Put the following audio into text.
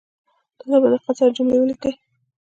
دلته په دقت سره جملې ولیکئ